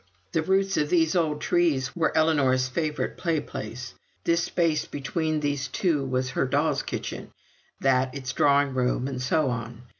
The roots of these old trees were Ellinor's favourite play place; this space between these two was her doll's kitchen, that its drawing room, and so on.